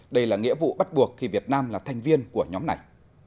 đây là nghĩa vụ bắt buộc khi việt nam là thành viên của nhóm này